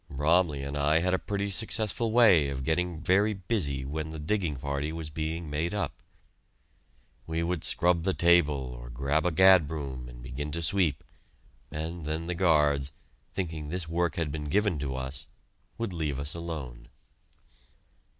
Bromley and I had a pretty successful way of getting very busy when the digging party was being made up. We would scrub the table or grab a gadbroom and begin to sweep, and then the guards, thinking this work had been given to us, would leave us alone!